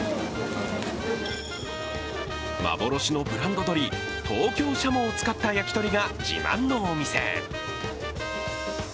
幻のブランド鶏、東京軍鶏を使った焼き鳥が自慢のお店。